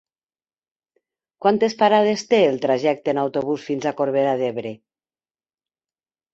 Quantes parades té el trajecte en autobús fins a Corbera d'Ebre?